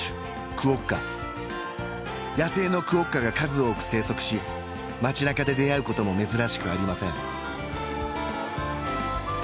クオッカ野生のクオッカが数多く生息し街なかで出会うことも珍しくありません